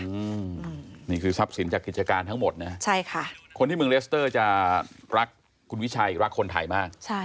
อืมนี่คือทรัพย์สินจากกิจการทั้งหมดนะใช่ค่ะคนที่เมืองเลสเตอร์จะรักคุณวิชัยรักคนไทยมากใช่